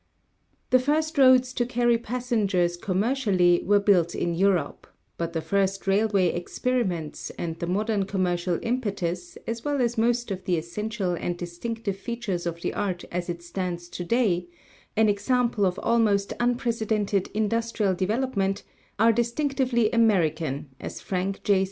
The first roads to carry passengers commercially were built in Europe, but the first railway experiments and the modern commercial impetus, as well as most of the essential and distinctive features of the art as it stands to day, an example of almost unprecedented industrial development, are distinctively American, as Frank J.